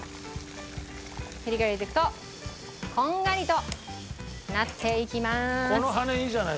へりから入れていくとこんがりとなっていきます。